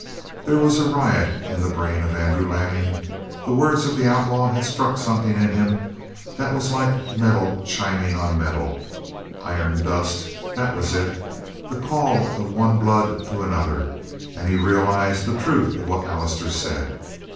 There was a riot in the brain of Andrew Lanning. The words of the outlaw had struck something in him that was like metal chiming on metal. Iron dust? That was it! The call of one blood to another, and he realized the truth of what Allister said.